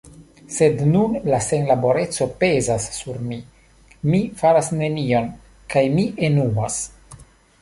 Sed nun la senlaboreco pezas sur mi: mi faras nenion, kaj mi enuas.